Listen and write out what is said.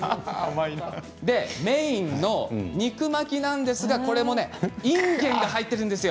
メインの肉巻きなんですがこちらも、いんげんが入っているんです。